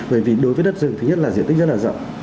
bởi vì đối với đất rừng thứ nhất là diện tích rất là rộng